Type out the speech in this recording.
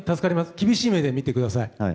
厳しい目で見てください。